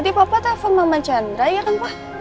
nanti papa telepon mama chandra ya kan pak